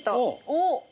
おっ！